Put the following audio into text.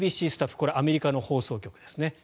これはアメリカの放送局ですね。